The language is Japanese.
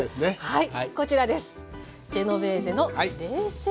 はい。